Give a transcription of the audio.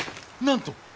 なんと！